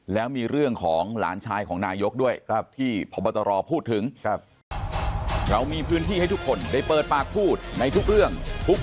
แล้วมีเรื่องของหลานชายของนายกด้วยที่พบตรพูดถึงครับ